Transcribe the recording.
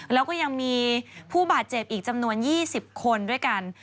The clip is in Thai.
แล้วก็ยังมีผู้บาดเจ็บอีกจำนวน๒๐คนด้วยกัน